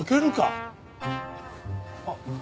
あっ。